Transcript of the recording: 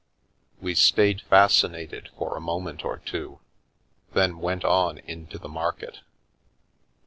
We stayed fascinated for a moment or two, then went on into •the market.